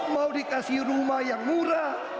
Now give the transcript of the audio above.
mau dikasih rumah yang murah